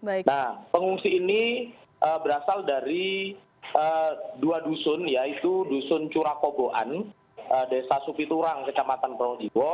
nah pengungsi ini berasal dari dua dusun yaitu dusun curakoboan desa supiturang kecamatan projiwo